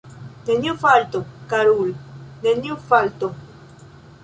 Neniu falto, karul’, neniu falto!